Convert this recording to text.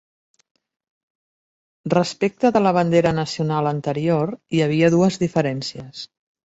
Respecte de la bandera nacional anterior hi havia dues diferències.